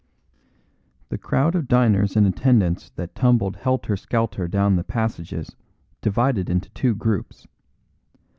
The crowd of diners and attendants that tumbled helter skelter down the passages divided into two groups.